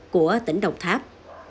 của tỉnh đồng tháp